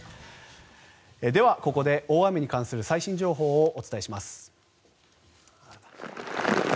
ではここで、大雨に関する最新情報をお伝えします。